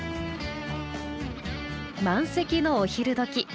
満席のお昼どき。